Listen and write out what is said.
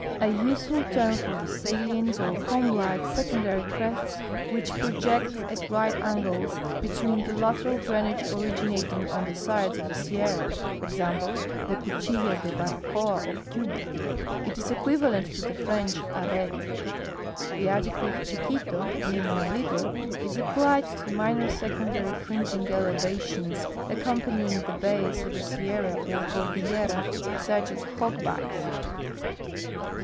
— u seful term for the salients or comb like, secondary crests which project at right angles between the lateral drainage originat ing on the sides of a sierra. Example, the Cuchilla de Baracoa of Cuba. It is equivalent to the French arete. The adjective chiquito, meaning little, is applied to minor secondary fringing elevations accompanying ihe base of a sierra or cordillera, such as " hogbacks."